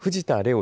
央